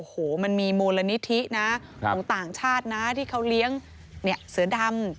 โอ้โหมันมีมูลนิธินะของต่างชาตินะที่เขาเลี้ยงเสือดำ